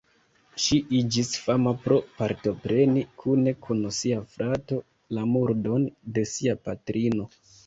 Ŝi iĝis fama pro partopreni, kune kun sia frato, la murdon de sia patrino.